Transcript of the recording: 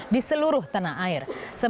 di seluruh tanah air